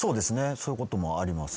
そういうこともあります。